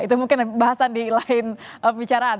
itu mungkin bahasan di lain pembicaraan